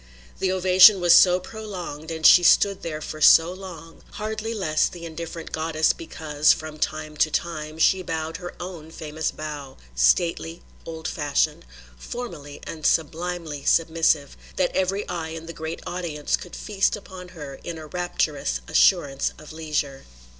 The ovation was so prolonged and she stood there for so long hardly less the indifferent goddess because, from time to time, she bowed her own famous bow, stately, old fashioned, formally and sublimely submissive, that every eye in the great audience could feast upon her in a rapturous assurance of leisure.